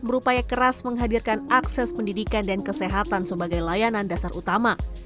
dan berupaya keras menghadirkan akses pendidikan dan kesehatan sebagai layanan dasar utama